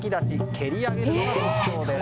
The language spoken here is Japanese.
蹴り上げるのが特徴です。